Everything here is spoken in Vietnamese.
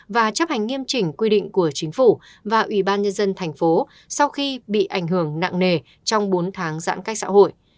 và chấp hành nghiêm chỉnh quy định của chính phủ và ubnd tp sau khi bị ảnh hưởng nặng nề trong bốn tháng giãn cách xã hội